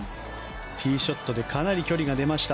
ティーショットでかなり距離が出ました。